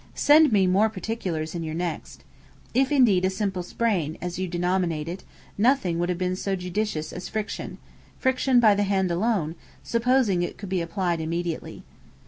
Send me more particulars in your next. If indeed a simple sprain, as you denominate it, nothing would have been so judicious as friction friction by the hand alone, supposing it could be applied immediately.